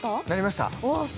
なりました。